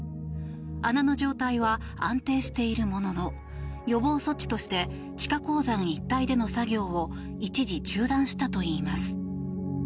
穴の状態は安定しているものの予防措置として地下鉱山一帯での作業を一時中断したといいます。